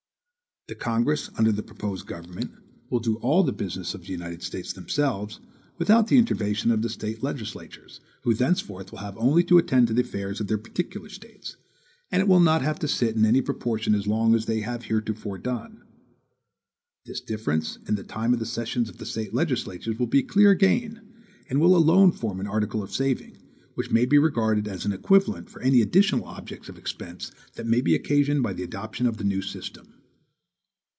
The Congress under the proposed government will do all the business of the United States themselves, without the intervention of the State legislatures, who thenceforth will have only to attend to the affairs of their particular States, and will not have to sit in any proportion as long as they have heretofore done. This difference in the time of the sessions of the State legislatures will be clear gain, and will alone form an article of saving, which may be regarded as an equivalent for any additional objects of expense that may be occasioned by the adoption of the new system.